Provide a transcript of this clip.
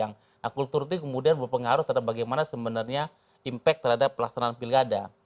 nah kultur itu kemudian berpengaruh bagaimana sebenarnya impact terhadap pelaksanaan pilgada